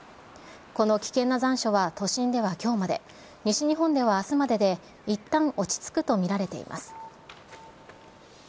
この危険な残暑は都心ではきょうまで、西日本ではあすまでで、いったん落ち着くと見られています。